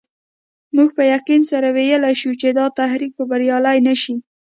موږ په یقین سره ویلای شو چې دا تحریک به بریالی نه شي.